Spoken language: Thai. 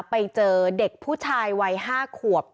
ไปเจอเด็กผู้ชายวัย๕ขวบ